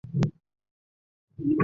洪武十八年乙丑科登进士。